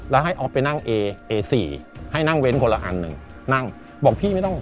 แล้วให้ออฟไปนั่งเอเอสี่ให้นั่งเว้นคนละอันหนึ่งนั่งบอกพี่ไม่ต้อง